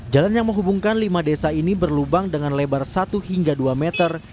jalan yang menghubungkan lima desa ini berlubang dengan lebar satu hingga dua meter